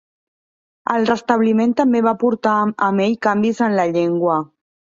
El restabliment també va portar amb ell canvis en la llengua.